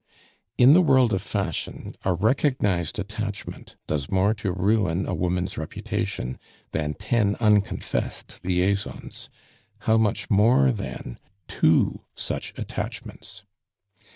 In the world of fashion a recognized attachment does more to ruin a woman's reputation than ten unconfessed liaisons; how much more then two such attachments?